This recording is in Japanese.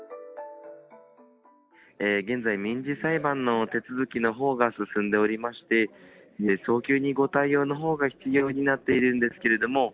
現在、民事裁判の手続きのほうが進んでおりまして、早急にご対応のほうが必要になっているんですけれども。